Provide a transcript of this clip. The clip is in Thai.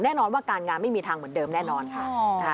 แน่นอนว่าการงานไม่มีทางเหมือนเดิมแน่นอนค่ะ